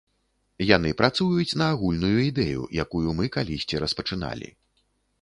Яны працуюць на агульную ідэю, якую мы калісьці распачыналі.